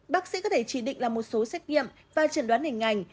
bác sĩ có thể chỉ định làm một số xét nghiệm và chẩn đoán hình ảnh